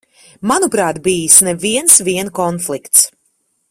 Manuprāt, bijis ne viens vien konflikts.